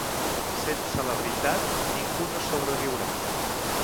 Sense la veritat, ningú no sobreviurà.